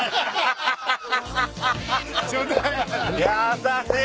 優しい。